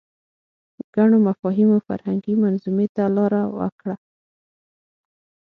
ګڼو مفاهیمو فرهنګي منظومې ته لاره وکړه